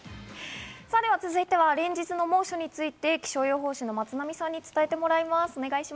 続いては連日の猛暑に続いて気象予報士の松並さんに伝えてもらいます。